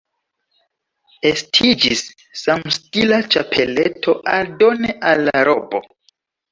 Estiĝis samstila ĉapeleto aldone al la robo.